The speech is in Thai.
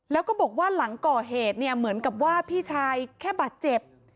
แล้วก็บอกว่าหลังก่อเหตุเนี่ยเหมือนกับว่าพี่ชายแค่บาดเจ็บ